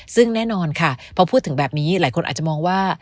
ซึ่งแน่นอนค่ะพอพูดถึงแบบนี้หลายคนอาจจะมองว่า